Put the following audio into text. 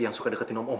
yang suka deketin om om